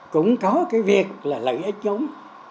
cũng có cái việc là lợi ích chống